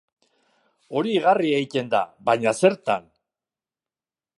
Hori igarri egiten da baina zertan?